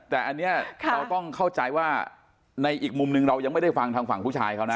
แต่อันนี้เราต้องเข้าใจว่าในอีกมุมนึงเรายังไม่ได้ฟังทางฝั่งผู้ชายเขานะ